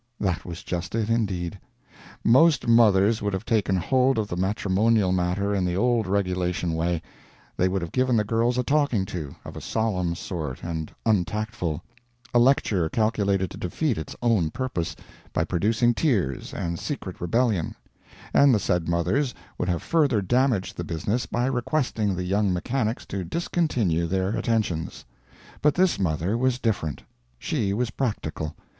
That was just it, indeed. Most mothers would have taken hold of the matrimonial matter in the old regulation way; they would have given the girls a talking to, of a solemn sort and untactful a lecture calculated to defeat its own purpose, by producing tears and secret rebellion; and the said mothers would have further damaged the business by requesting the young mechanics to discontinue their attentions. But this mother was different. She was practical.